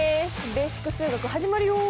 「ベーシック数学」始まるよ！